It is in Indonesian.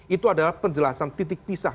itu adalah penjelasan titik pisah